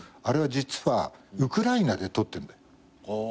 あれは実はウクライナで撮ってんだよ。